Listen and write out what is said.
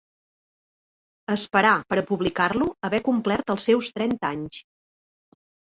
Esperà per a publicar-lo haver complert els seus trenta anys.